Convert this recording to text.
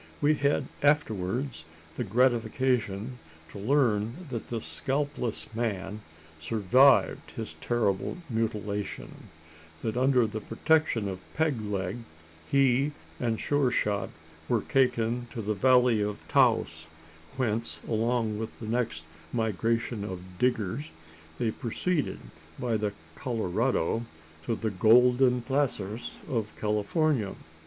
We had afterwards the gratification to learn that the scalpless man survived his terrible mutilation; that under the protection of Peg leg, he and Sure shot were taken to the valley of Taos whence, along with the next migration of "diggers," they proceeded, by the Colorado, to the golden placers of California.